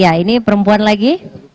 ya ini perempuan lagi